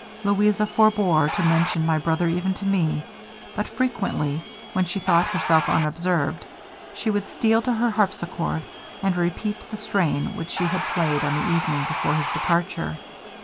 Louisa forbore to mention my brother even to me, but frequently, when she thought herself unobserved, she would steal to her harpsichord, and repeat the strain which she had played on the evening before his departure.